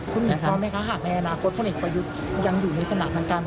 คุณหมีพร้อมไหมคะถ้าในอนาคตพวกนี้ก็ยังอยู่ในสถานการณ์กัน